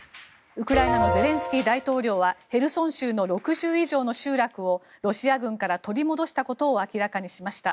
ウクライナのゼレンスキー大統領はヘルソン州の６０以上の集落をロシア軍から取り戻したことを明らかにしました。